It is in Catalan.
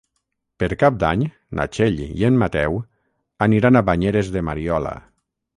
Per Cap d'Any na Txell i en Mateu aniran a Banyeres de Mariola.